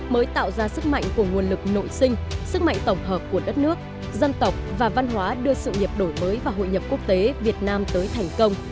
mới tạo ra sức mạnh của nguồn lực nội sinh sức mạnh tổng hợp của đất nước dân tộc và văn hóa đưa sự nghiệp đổi mới và hội nhập quốc tế việt nam tới thành công